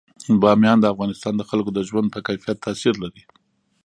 بامیان د افغانستان د خلکو د ژوند په کیفیت تاثیر لري.